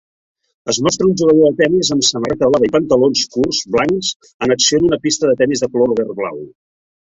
Es mostra un jugador de tennis amb samarreta blava i pantalons curts blancs en acció en una pista de tennis de color verd blau.